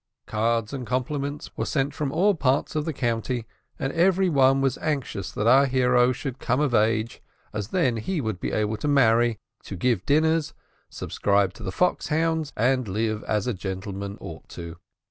Cards and compliments were sent from all parts of the county, and every one was anxious that our hero should come of age, as then he would be able to marry, to give dinners, subscribe to the fox hounds, and live as a gentleman ought to do.